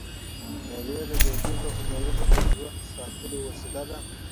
مېلې د دودیزو هنرونو د ژوندي ساتلو وسیله ده.